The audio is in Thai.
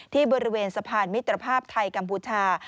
ที่บริเวณสะพานมิตรภาพไทยกัมพูชา